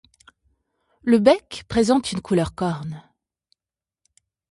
Le bec présente une couleur corne.